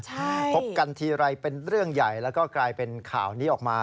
ใช่พบกันทีไรเป็นเรื่องใหญ่แล้วก็กลายเป็นข่าวนี้ออกมา